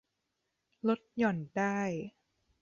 ลดหย่อนได้